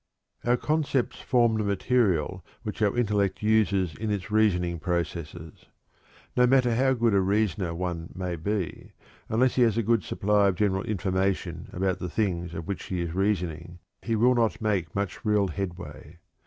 Our concepts form the material which our intellect uses in its reasoning processes. No matter how good a reasoner one may be, unless he has a good supply of general information about the things of which he is reasoning, he will not make much real headway.